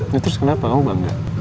ya terus kenapa kamu bangga